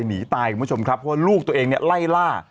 ไปหนีตายคุณผู้ชมครับเพราะลูกตัวเองไล่ล่า